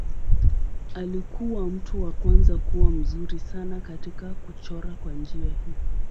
Alikuwa mtu wa kwanza kuwa mzuri sana katika kuchora kwa njia hii.